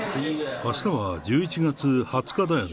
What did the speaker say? あしたは１１月２０日だよね？